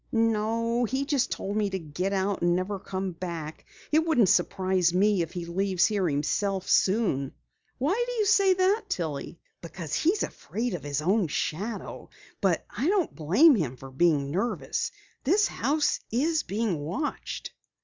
"No, he just told me to get out and never come back. It wouldn't surprise me if he leaves here himself soon." "Why do you say that, Tillie?" "Because he's afraid of his own shadow. But I don't blame him for being nervous. This house is being watched!"